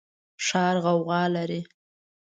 ښار غوغا لري